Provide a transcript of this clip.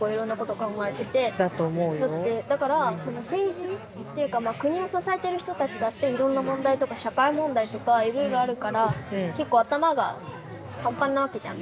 だからその政治っていうかまあ国を支えてる人たちだっていろんな問題とか社会問題とかいろいろあるから結構頭がパンパンなわけじゃん。